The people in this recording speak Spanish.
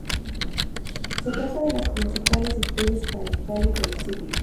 Se trata de las principales especies parentales de los híbridos.